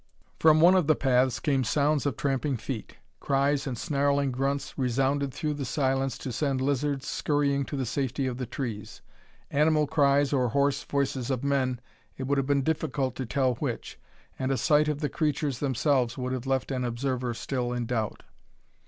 From one of the paths came sounds of tramping feet. Cries and snarling grunts resounded through the silence to send lizards scurrying to the safety of the trees. Animal cries or hoarse voices of men it would have been difficult to tell which. And a sight of the creatures themselves would have left an observer still in doubt.